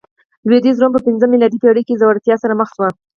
لوېدیځ روم په پنځمه میلادي پېړۍ کې ځوړتیا سره مخ شو